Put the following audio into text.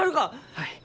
はい。